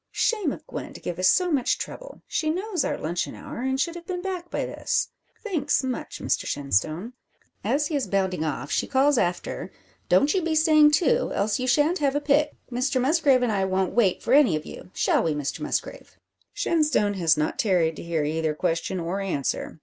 Shame of Gwen to give us so much trouble! She knows our luncheon hour, and should have been back by this. Thanks, much, Mr Shenstone." As he is bounding off, she calls after "Don't you be staying too, else you shan't have a pick. Mr Musgrave and I won't wait for any of you. Shall we, Mr Musgrave?" Shenstone has not tarried to hear either question or answer.